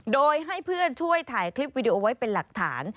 โดยให้เพื่อนช่วยถ่ายคลิปวิดีโอไว้เป็นหลักฐาน